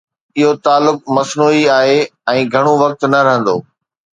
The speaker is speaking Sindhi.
اهو تعلق مصنوعي آهي ۽ گهڻو وقت نه رهندو.